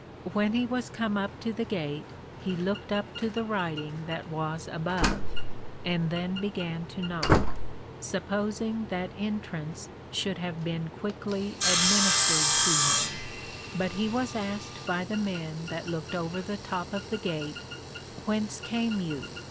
When he was come up to the Gate, he looked up to the writing that was above, and then began to knock, supposing that entrance should have been quickly administered to him; but he was asked by the men that looked over the top of the Gate, Whence came you?